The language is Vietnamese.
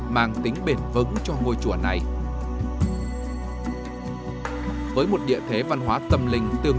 mang tính bình thường